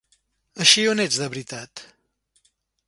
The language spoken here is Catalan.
Així, on ets, de veritat?